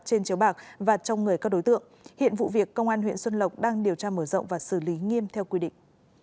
trên chiếu bạc và trong người các đối tượng hiện vụ việc công an huyện xuân lộc đang điều tra mở rộng và xử lý nghiêm theo quy định